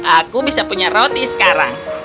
aku bisa punya roti sekarang